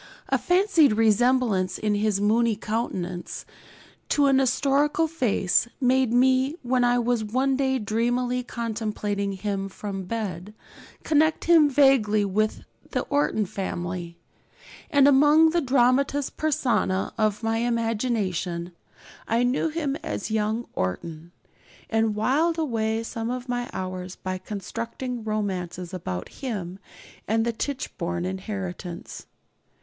A fancied resemblance in his moony countenance to an historical face made me, when I was one day dreamily contemplating him from bed, connect him vaguely with the Orton family; and among the dramatis personæ of my imagination I knew him as young Orton, and whiled away some of my hours by constructing romances about him and the Tichborne inheritance.